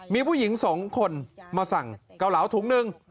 มีผู้หญิงสองคนมาสั่งเกาเหลาถุงหนึ่ง